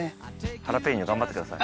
ハラペーニョ頑張ってください。